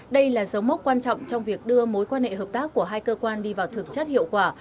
đây là dấu mốc quan trọng trong việc đưa mối quan hệ hợp tác của hai cơ quan đi vào thực chất hiệu quả